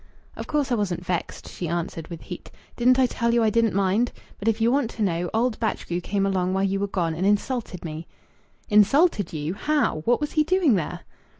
"Of course I wasn't vexed," she answered, with heat. "Didn't I tell you I didn't mind? But if you want to know, old Batchgrew came along while you were gone and insulted me." "Insulted you? How? What was he doing there?"